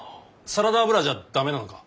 サラダ油じゃダメなのか？